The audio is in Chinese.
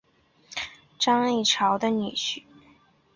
张议潮的女婿索勋拥立张淮鼎为归义军节度使留后。